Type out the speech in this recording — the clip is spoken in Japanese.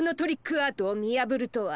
アートをみやぶるとは。